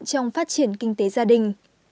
trong phát triển kinh tế gia đình